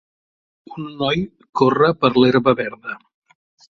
Un noi corre per l'herba verda.